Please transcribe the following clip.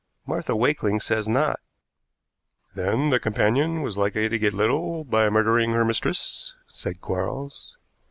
"Martha Wakeling says not." "Then the companion was likely to get little by murdering her mistress," said Quarles.